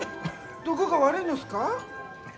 どこか悪いんですか？